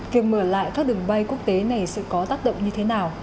việc mở lại các đường bay quốc tế này sẽ có tác động như thế nào